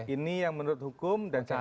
ini yang menurut hukum dan cara